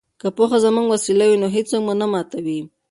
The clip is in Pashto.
که پوهه زموږ وسله وي نو هیڅوک مو نه ماتوي.